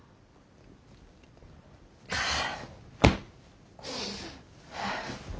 はあ。